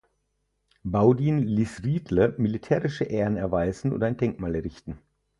Baudin ließ Riedle militärische Ehren erweisen und ein Denkmal errichten.